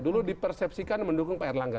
dulu dipersepsikan mendukung pak erlangga